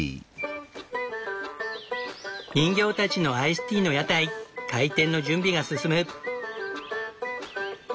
人形たちのアイスティーの屋台開店の準備が進む。